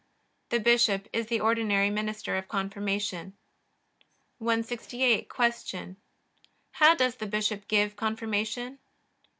The bishop is the ordinary minister of Confirmation. 168. Q. How does the bishop give Confirmation?